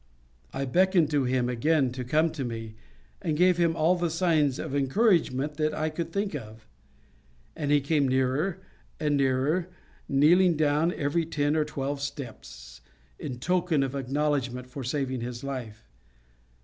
I beckoned to him again to come to me, and gave him all the signs of encouragement that I could think of; and he came nearer and nearer, kneeling down every ten or twelve steps, in token of acknowledgment for saving his life.